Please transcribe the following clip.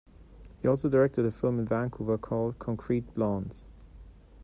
He also directed a film in Vancouver, called Concrete Blondes.